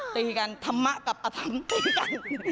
ตีกันธรรมะกับอธรรมตีกัน